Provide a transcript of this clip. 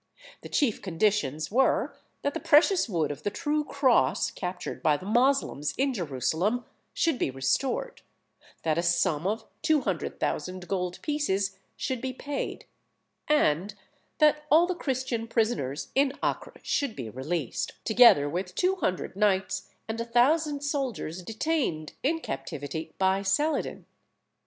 The chief conditions were, that the precious wood of the true cross, captured by the Moslems in Jerusalem, should be restored; that a sum of two hundred thousand gold pieces should be paid; and that all the Christian prisoners in Acre should be released, together with two hundred knights and a thousand soldiers detained in captivity by Saladin.